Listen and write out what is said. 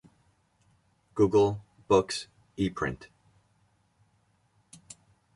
"Google Books" Eprint.